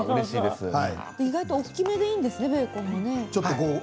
意外と大きめでいいんですねベーコン。